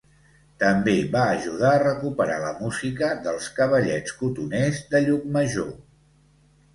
També va ajudar a recuperar la música dels cavallets cotoners de Llucmajor.